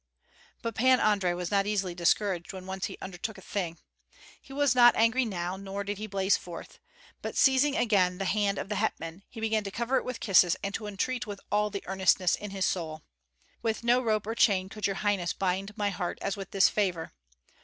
But Pan Andrei was not easily discouraged when once he undertook a thing. He was not angry now, nor did he blaze forth. But seizing again the hand of the hetman, he began to cover it with kisses and to entreat with all the earnestness in his soul "With no rope or chain could your highness bind my heart as with this favor.